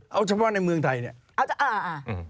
เอาเฉพาะในเมืองไทยเนี่ย